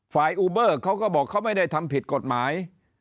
อูเบอร์เขาก็บอกเขาไม่ได้ทำผิดกฎหมาย